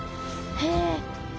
へえ！